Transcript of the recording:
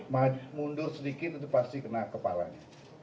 mau mundur sedikit itu pasti kena kepalanya